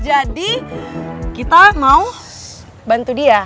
jadi kita mau bantu dia